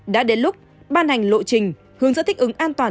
đã đến lúc ban hành lộ trình hướng dẫn thích ứng an toàn